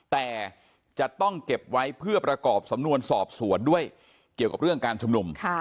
แต่จะต้องเก็บไว้เพื่อประกอบสำนวนสอบสวนด้วยเกี่ยวกับเรื่องการชุมนุม